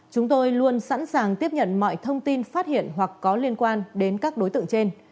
chúng tôi luôn sẵn sàng tiếp nhận mọi thông tin phát hiện hoặc có liên quan đến các đối tượng trên